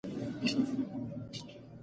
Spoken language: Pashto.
دا په خامه هګۍ کې وي.